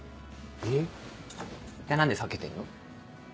えっじゃあ何で避けてんの？